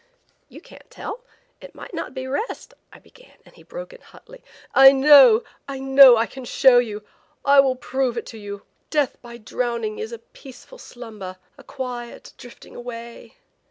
"You can't tell. It might not be rest–" I began and he broke in hotly. "I know, I know. I can show you. I will prove it to you. Death by drowning is a peaceful slumber, a quiet drifting away."